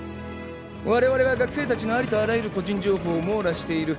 われわれは学生たちのありとあらゆる個人情報を網羅している。